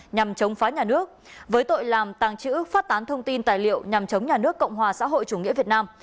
nhằm chống phá nhà nước với tội làm tàng trữ phát tán thông tin tài liệu nhằm chống nhà nước cộng hòa xã hội chủ nghĩa việt nam